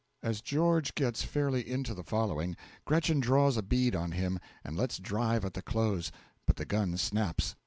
(As GEORGE gets fairly into the following, GRETCHEN draws a bead on him, and lets drive at the close, but the gun snaps.)